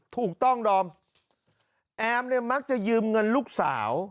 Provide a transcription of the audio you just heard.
ถูกต้องดอมแอมเนี่ยมักจะยืมเงินลูกสาว